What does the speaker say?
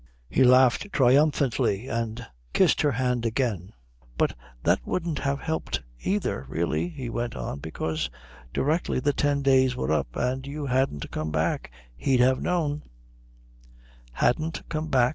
He laughed triumphantly and kissed her hand again. "But that wouldn't have helped, either, really," he went on, "because directly the ten days were up and you hadn't come back he'd have known " "Hadn't come back?"